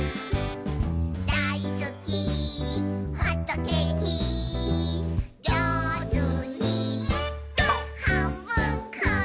「だいすきホットケーキ」「じょうずにはんぶんこ！」